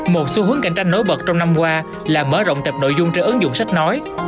một xu hướng cạnh tranh nối bật trong năm qua là mở rộng tập nội dung trên ứng dụng sách nói